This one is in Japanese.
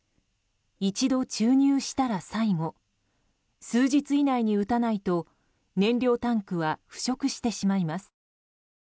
一度注入したら最後数日以内に撃たないと燃料タンクは腐食してしまいます。